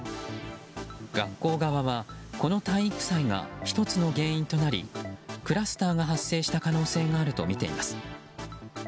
学校側はこの体育祭が１つの原因となりクラスターが発生した可能性があるとみています。